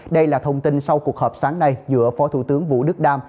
đây là thông tin sau cuộc họp sáng nay giữa phó thủ tướng vũ đức đam